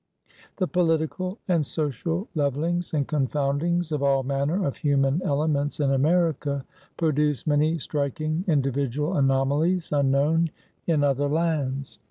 The political and social levelings and confoundings of all manner of human elements in America, produce many striking individual anomalies unknown in other lands.